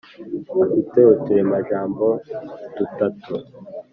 afite uturemajambo du tatu